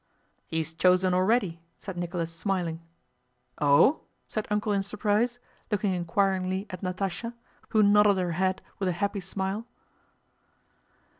"He's chosen already," said Nicholas smiling. "Oh?" said "Uncle" in surprise, looking inquiringly at Natásha, who nodded her head with a happy smile.